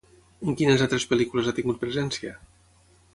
En quines altres pel·lícules ha tingut presència?